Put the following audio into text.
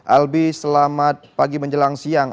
albi selamat pagi menjelang siang